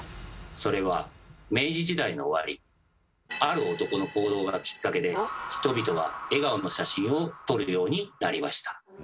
それは明治時代の終わりある男の行動がきっかけで人々は笑顔の写真を撮るようになりました。